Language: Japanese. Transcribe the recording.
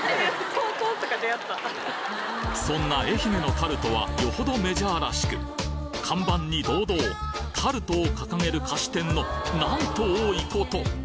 そんな愛媛のタルトはよほどメジャーらしく看板に堂々「タルト」を掲げる菓子店のなんと多いこと！